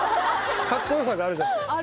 かっこよさがあるじゃないですか